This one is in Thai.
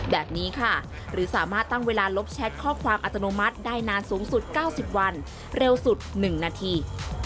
แบบนี้ค่ะหรือสามารถตั้งเวลาลบแชทข้อความอัตโนมัติได้นานสูงสุด๙๐วันเร็วสุด๑นาที